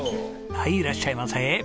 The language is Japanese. はいいらっしゃいませ。